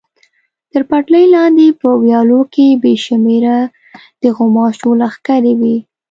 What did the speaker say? تر پټلۍ لاندې په ویالو کې بې شمېره د غوماشو لښکرې وې.